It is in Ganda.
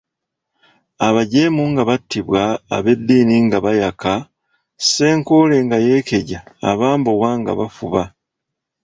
"Abajeemu nga battibwa, ab’eddiini nga baayaka, Ssenkoole nga yeekeja, abambowa nga bafuba!"